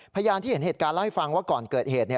พยานที่เห็นเหตุการณ์เล่าให้ฟังว่าก่อนเกิดเหตุ